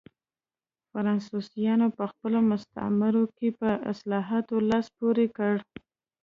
فرانسویانو په خپلو مستعمرو کې په اصلاحاتو لاس پورې کړ.